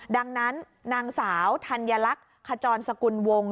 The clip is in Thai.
ดังนั้นนางสาวธัญลักษณ์ขจรสกุลวง